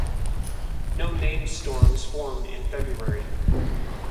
No named storms formed in February.